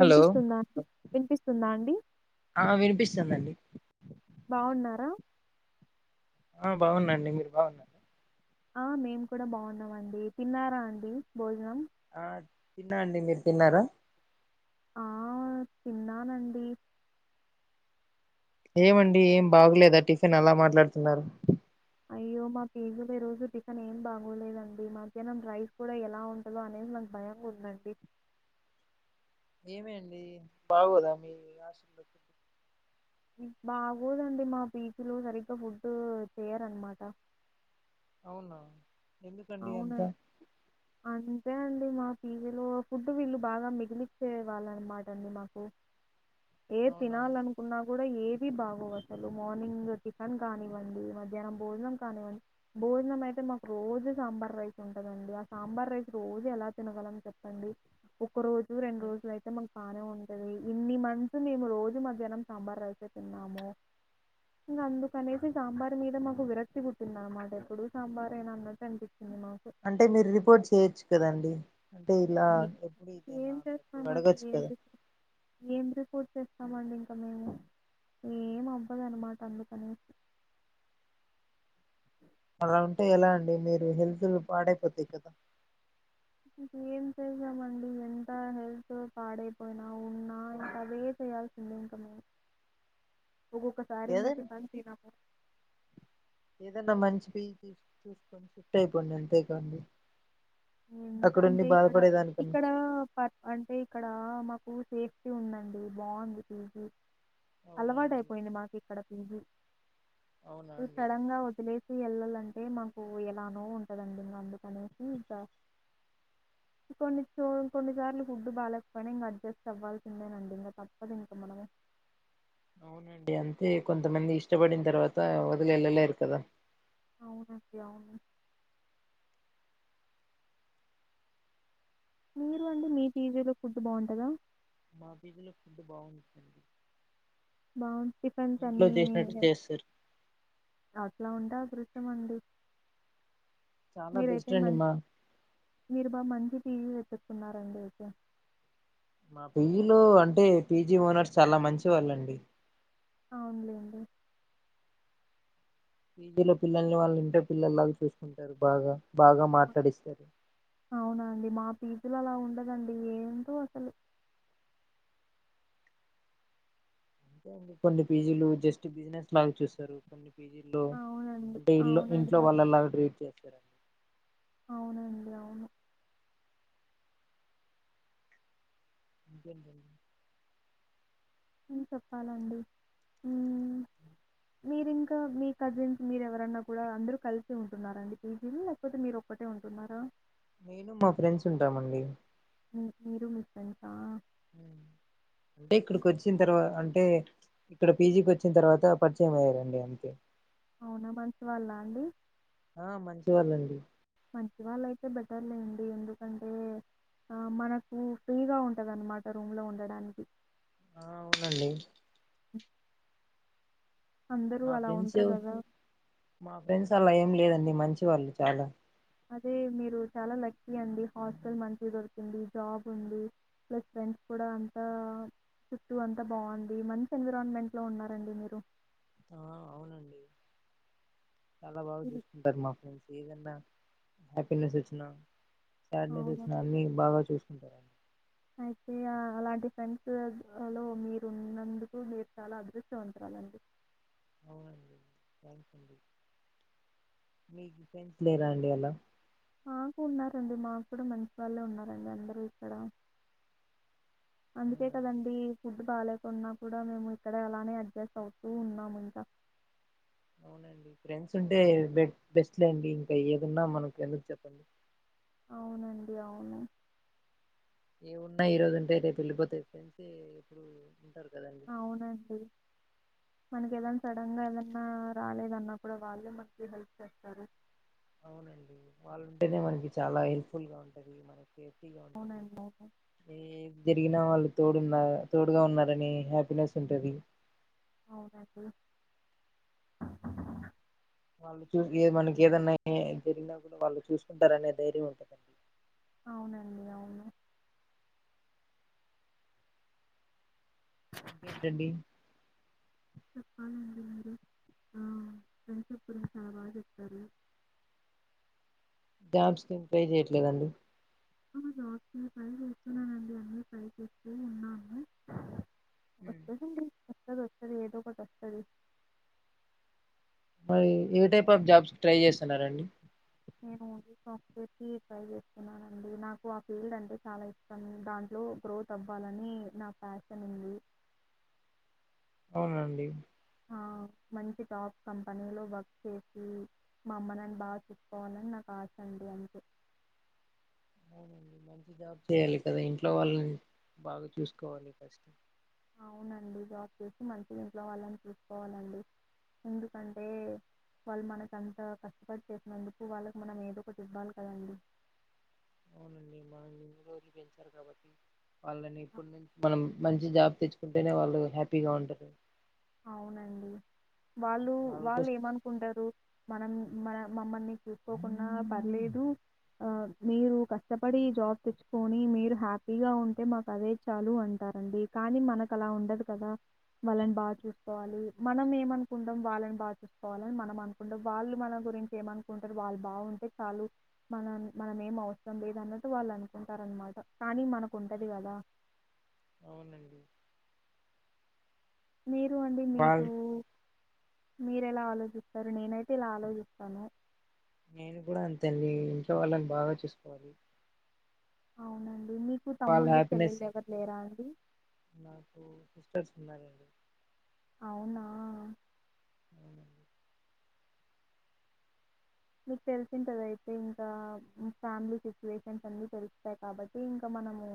Hello వినిపిస్తుందా అండి ఆ వినిపిస్తుందండి బాగున్నారా ఆ బాగుందండి మీరు బాగుండండి ఆ మేము కూడా బాగున్నాం అండి తిన్నారా అండి భోజనం ఆ తిన్నా అండి మీరు తిన్నారా ఆ తిన్నానండి ఏమండి ఏం బాగలేదా టిఫిన్ అలా మాట్లాడుతున్నారు అయ్యో మా పేజుల రోజు చికెన్ ఏం బాగోలేదండి మధ్యాహ్నం రైస్ కూడా ఎలా ఉంటుందో అనేది నాకు భయ ఉందండి ఏమేడి బాగోదా మీ హస్ బాగోదండి మా పీచ్లో సరిగ్గా ఫుడ్డు చేయారన్నమాట అవునా ఎందు కడింత అంతే అండి మా ఫీజులో ఫుడ్ వీళ్ళు బాగా మిగిలిచ్చే వాళ్ళ అన్నమాట అండి మాకు ఏ అవునా తినాలనుకున్నా కూడా ఏ బాగో అసలు మార్నింగ్ టిఫెన్ కానివ్వండి మధ్యాహ్నం భోజనం కానివ్వండి భోజనం అయితే మాకు రోజు సాంబార్ రైస్ ఉంటదండి ఆ సాంబార్ రైస్ రోజు ఎలా తినగలని చెప్పండి ఒక రోజు రెండు రోజు అయితే మకు బాగానే ఉంటది ఇన్ని మంతస్ మేము రోజు మధ్యాహ్నం సాంబార్ రసే తిన్నాము ఇంకా అందుకనేసి సాంబార్ మీద మాకు విరక్తి కుట్టింది అనమాట ఎప్పుడు సాంబార్ ఏనా అన్నట్టు అ అంటే మీరు రిపోర్ట్ చేయొచ్చు కదండి అేలా ఈ- ఎప్పుడు ఇదే ఏం నా వడగా చేస్తామండి ఏం వచ్చకుద రిపో ఏం రిపోర్ట్ చేస్తామండి ఇంకా మేము ఏం అవ్వదున్నమాట అందుకనేసి అలా ఉంటే ఎలా అండి మీరు హెల్త్ పాడైపోతాయి కదా ఏం చేస్తమండి ఎంత హెల్త్ పాడైపోయినా ఉన్నా ఇంకా అదే చేయాల్సిందే ఇంకా మేము ఒక్కొక్కసారి ఇంగా లేదండి టిఫన్ తినము ఏదన్నా మంచి పి జి చూసుకొని షిఫ్ట్ అయిపోండి అంతేకదండి ఎందుకు అంటే ఇక్కడ ఇక్కడ ప అంటే ఇక్కడ మా కు సేఫ్టీ ఉందండి బాగుంది పి జి అలవాటు అవునండి అయిపోయింది మాకు ఇక్కడ ఉహు అవునా అండి సడన్గా వదిలేసి ఎల్లాలన్ అంటే మాకు ఎలానో ఉంటదండి ఇంకా అందుకనేసి ఇంకా కొన్ని కొన్నిసార్లు ఫుడ్ బాగాలేకపోయినా ఇంకా అడ్జస్ట్ అవ్వాల్సిందేనండి ఇంకా తప్పదు ఇంకా మనం అవునండి అంతే కొంతమంది ఇష్టపడిన తర్వాత వదిలి ఏళ్ళలేరు కదా అవునండి అవును మీరు అండి మీ పి జీ లో ఫుడ్ బాగుంటదా మా పి జి లో ఫుడ్ బాగుంటుంది బాగుంది టిఫెన్స్ అన్ని చేస్తారు అట్లా ఉంటే అదృష్టమండి చాలా మీరైతే బెస్ట్ అండి మన్ మా మీరు బా మంచి టీవీ వెతుకున్నారండి ఇక మా పిజలో అంటే పీజీ ఓనర్స్ చాలా మంచి వాళ్ళండి ఆ ఉందిడి పీజీల పిల్లల్ని వాళ్ళు ఇంట పిల్లల్లాగా చూసుకుంటారు బాగా బాగా మాట్లాడిస్తారు అవున అండి మా పీజులు అలా ఉండదండి ఏంటో అసలు అేే కొన్ని పీజీలు జస్ట్ బిజినెస్ లాగా చూస్తారు కొన్ని జ అవునండి. అంటే ఇ ఇంట్లో అవునండి. వాళ్ళలా ట్రీట్ చేస్తారు సరడి అవునండి అవును అ చెప్పాలండి మీరింకా మీ కజిన్స్ మీరు ఎవరన్నా కూడా అందరు కలిసి ఉంటున్నారండి కేజీలు లేకపోతే మీరు ఒక్కటే ఉంటున్నారా నేను మా ఫ్రెండ్స్ ఉంటామండి మీరు మిచ్చంతా అంటే ఇక్కడికి వచ్చిన తర్వాత అంటే ఇక్కడ పీజీకి వచ్చిన తర్వాత పరిచయం అయ్యారండి అంతే అవునా మంచి వాళ్ళ అండి ఆ మంచివాళ్ళండి మంచి వాళ్ళయితే బెటర్లేండి ఎందుకంటే మనకు ఫ్రీగా ఉంటందిన్నమాట రూమ్ లో ఉండడానికి ఆ అవునండి అందరూ మా అలా ఫ్రెండ్స్ ఉంటారు కదా మా ఫ్రెండ్స్ అలా ఏం లేదండి మంచి వాళ్ళు చాలా అదే మీరు చాలా లక్కీ అండి హాస్టల్ మంచిగా దొరికింది జాబ్ ఉంది ప్లస్ ఫ్రెండ్స్ కూడా అంతా చుట్టు అంతా బాగుంది మంచి ఎన్విరాన్మెంట్లో ఉన్నారండి మీరు ఆ వాళ్ళే హ్మ్. చూసుకుంటారు మాకేమి సం హ్యాపీినెస్ వచ్చ సడ్ న అవును. చూసిన అన్నిీ బాగా చూస్తా ంటర అండి అయితే అలాంటి ఫ్రెండ్స్ లో మీరున్నందుకు మీరు చాలా అదృష్ట్యవంతరాలండి అవునండి థ్యాంక్స్ అండి మీకు ఫెన్స్ లేరా అండి అలా మాకు ఉన్నారండి మా కూడా మంచి వాళ్ళే ఉన్నారండి అందరూ ఇక్కడ అందుకే అవునండి కదంీ ఫుడ్ బాగాలేే కొన్నా కూడా మేము ఇక్కడ అలానే అడ్జస్ట్ అవుతూ ఉన్నాము ఇంకా అవునండి ఫ్రెండ్స్ ఉంటేె బెస్ట్లేండి ఇంకా ఏదిన్నా మనకు ఎందుకు చెప్పండి అవునండి అవును ఏమున్నా ఈ రోజు ఉంటే అయితే పెళ్ళిపోతే ఫ్రెన్సి ఇప్పుడు ఉంటారు కదండి మనకి ఏదనా సడన్ గా ఏదన్నా రాలేదన్నప్పుడు వాళ్ళు మనకి హెల్ప్ చేస్తారు అవునండి వాళ్ళంటేనే మనకి చాలా హెల్ప్ఫుల్ గా ఉంటంది మనకి స్తి గపకి అవునండి. అవును. ఏ జరిగినా వాళ్ళు తోడున్న తోడుగా ఉన్నారని హ్యాపీనెస్ ఉంటుది అవునండి వాళ్ళు చూ ఏ మనకి ఏదన్నా జరిగినా కూడా వాళ్ళు చూసుకుంటారునే ధైర్యం ఉంటందండి అవునండి అవును గడడి చప్పాలంచి మంది ఆ ఫ్రెంస్ప్ గురించి చాలా బాగా చెప్పారు జాబ్స్కిం పే చేయట్లేదండి జాబ్స్ని ట్రై చేస్తున్నానండి అన్నీ ట్రై చేస్తూ ఉన్నాను వస్త అడి వస్తుదు వస్తుది ఏదో ఒకటి వస్తుంది మరి ఏ టైప్ ఆఫ్ జాబ్స్ ట్రై చేస్తున్నారంండి నేను ఓన్లీ సాఫ్ట్వేర్కి ట్రై చేస్తున్నానండి నాకు ఆ ఫీల్డ్ అంటే చాలా ఇష్టం దాంట్లో గ్రోత్ అవ్వాలని నా ప్యాషన్ ఉంది అవునండి మంచి టాప్ కంపెనీలో వర్క్ చేసి మా అమ్మ నాని బాగా చెప్పుకోవాలని నాకు ఆశ అండి అంతే అవునండి మంచి జాబ్ చేయాలి కదా ఇంట్లో వాళ్ళని బాగా చూసుకోవాలి కష్ట అవునండి జాబ్ చేసి మంచి ఇంట్లో వాళ్ళని చూసుకోవాలండి ఎందుకంటే వాళ్ళు మనక అంత కష్టపడి చేసినందుకు వాళ్ళకు మనం ఏదో ఒకటి ఇవ్వాలి కదండి అవునండి మనల్ ఎన్ని రోజులు పెంచారు కాబట్టి వాళ్ళని ఇప్పటి నుంచి మనం మంచి జాబ్ తెచ్చుకుంటేనే వాళ్ళు హ్యాపీగా ఉంటారు అవునండి వాళ్ళు వాళ్ళకు వాళ్ళు ఏమనుకుంటారు మనం మన మమ్మల్ని చూసుకోకుండా పర్లేదు ఆ మీరు కష్టపడి జాబ్ తెచ్చుకొని మీరు హ్యాపీగా ఉంటే మాకు అదే చాలు అంటారంండి కానీ మనకు అలా ఉండదు కదా వాళ్ళని బాగా చూ చసుకోవాలి మనం ఏమనుకుంటాం వాళ్ళని బా చూసుకోవాలని మనం అనుకుంటాం వాళ్ళు మన గురించి ఏమనుకుంటారు వాళ్ళు బాగుంటే చాలు మన మనం ఏం అవసరం లేదన్నట్టు వాళ్ళు అనుకుంటారు అనమాట కానీ మనకుంటది కదా అవునండి మీరు అండి మీకు వాళ్ళు మీరు ఎలా ఆలోచిస్తారు నేనైతే ఇలా ఆలోచిస్తాను నేను కూడా అంతేండి ఇంకా వాళ్ళని బాగా చూసుకోవాలి అవునండి. మీకు వాళ్ళ తమ్ముళ్ళు, హ్యాపీనెస్ చెల్లెళ్ళు ఎవరు లేరా అండి? నాకు సిస్టర్స్ ఉన్నారండి అవునా అ మీకు తీసుంటది అయితే ఇంకా ఫ్యామిలీ సిచ్యువేషన్స్ అన్నీ తెలుస్తాయి కాబట్టి ఇంకా మనము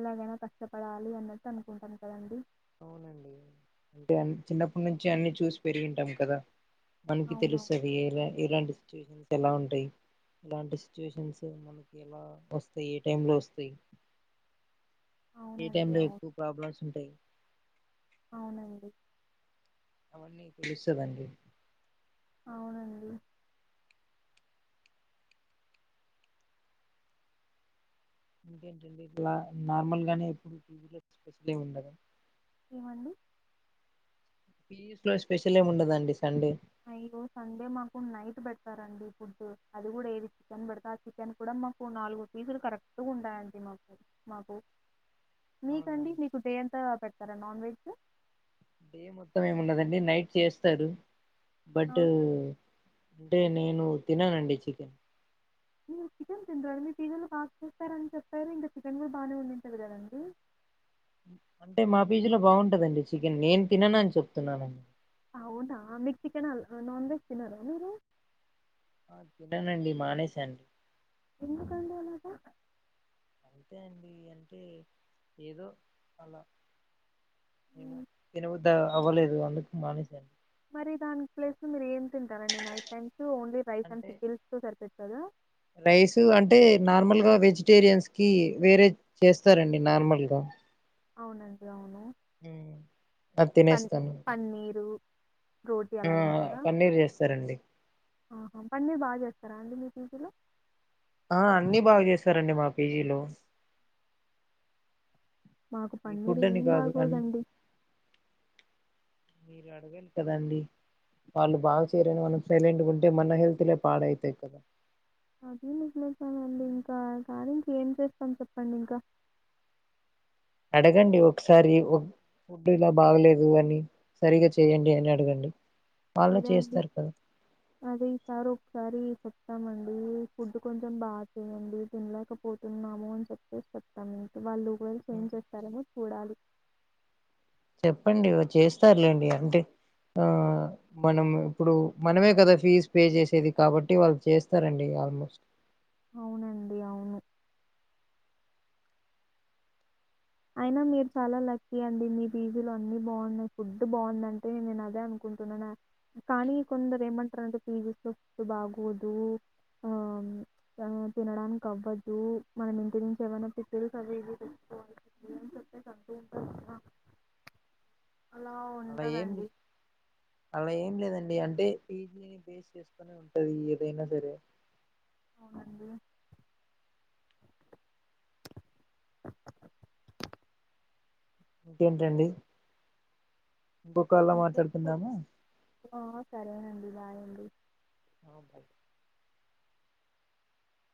ఎలాగైనా కష్టపడాలి అన్నట్టు అనుకుంటాం కదండి అవునండి అంటే చిన్నప్పటి నుంచి అన్ని చూసి పెరిగింటాం కదా మనకి అవునవును. తెలుస్తది ఎలా ఎలాంటి సిట్యువేషన్స్ ఎలా ఉంటాయి ఇలాంటి సిచ్యువేషన్స్ మనకి ఎలా వస్తాయి ఏ టైం లో వస్తాయి ఏ టైం అవునండి. లో అవును. ఎక్కువ ప్రాబ్లమ్స్ ఉంటాయి అవునండి అవ్వన్ని తేలుస్తదండి అవునండి ఇంకేంటండి ఇట్లా నార్మల్ గానే ఎప్పుడు [unintelligible] స్పెషల్ ఎం ఉండదా ఏమండి పీజీ లో స్పెషల్ ఏమి ఉండదాండి సండే ఆ ఈరోజు సండే మాకు నైట్ పెడతారండి ఫుడ్ అది కూడా ఏది చికెన్ పెడితే ఆ చికెన్ కూడా మాకు నాలుగు పీసులు కరెక్ట్గా ఉంటాయండి మకు మాకు మీకండి అవునండి మీకు డే ఎంతా పెడతారా నాన్ వెజ్ డే మొత్తం ఏమిండదండి నైట్ చేస్తారు ఆ! బట్ అంటే నేను తిననండి చికెన్ మీరు చికెన్ తినరా అండి మీరు పిజిలో బాగా చేస్తారని చెప్పారు ఇంకా చికెన్ కూడా బాగానే ఉండింటది కదండి అంటే మా పీజీలో బాగుంటదండి చికెన్ నేను తినను అని చెప్తున్నానండి అవునా మిక్ చికెన్ నాన్ వెజ్ తినరా మీరు ఆ తిననండి మానేసాను ఎందుకండి అలాగ అంతే అండి అంటే ఏదో అలా ఎమో హ్మ్. తినబుద్ధి అవ్వలేదు అందుకు మానేసా మరి దానికి ప్లేస్ మీరు ఏం తింటారండి night times only rice and అంటే పికిల్స్ తో సరిపెడ్తరా టేరియన్స్ కి వేరే చేస్తారండి నార్మల్గా అవునండి అవును ఉ అది పన్ తినేస్తాను పన్నీరు, రోటీ ఆ అలా తింటారా పన్నీర్ చేస్తారండి ఆహా పన్నీర్ బాగా చేస్తారా అండి మీ పీజీ లో ఆ అన్ని బాగా చేస్తారండి మా పీజీలో మాకు ఈ పన్నీరు ఫుడ్ అని ఏం కాదు అ బాగోదండి మీరు అడగాలి కదండి వాళ్ళు బాగా చేయరని మనం సైలెంట్ గా ఉంటే మన హెల్త్ లే పాడవుతాయి కదా అదే నికుస్తామండి ఇంకా సారికి ఏం చేస్తాం చెప్పండి ఇంకా అడగండి ఒకసారి ఫుడ్ ఇలా బాగలేదు అని సరిగా చేయండి అని అడగండి వాళ్ళు అదే అండి చేస్తారు కదా అదే ఈ సారి ఒకసారి చే ప్తామండి ఫుడ్ కొంచెం బాగా చేయండి తినలేకపోతున్నాము అని చెప్పేసి చెప్తాము ఇంక వాళ్ళు వాళ్ళు చేంజ్ చేస్తారు ఏమో చూడాలి చెప్పండి చేస్తారులేండి అంటే ఆ మనం ఇప్పుడు మనమే కదా ఫీజు పే చేసేది కాబట్టి వాళ్ళు చేస్తారండి ఆల్మోస్ట్ అవునండి అవును అయినా మీరు చాలా లక్కీ అండి మీ పీ జీ లో అన్ని బాగున్నాయి ఫుడ్ బాగుందంటే నేను అదే అనుకుంటున్నాను కానీ కొందరు ఏమంటారంటే పీ జీ స్ లో ఫుడ్ బాగోదు ఆ మ్మ్ తినడానికి అవ్వదు మనం ఇంటి నుంచి ఏమైనా పికిల్స్ అవి ఇవి తెచ్చుకోవాలి అలా అలా ఏం ఉండదండి. అలా ఏం లేదన్ డి అంటే పి జీ ని బేస్ చేసుకనే ఉంటది ఏదైనా సరే అవునండి ఇంకేంటండి కో కాల్లో అంతే. మాట్లాడుకుందాము ఆ సరేనండి బాయండి ఆ బాయ్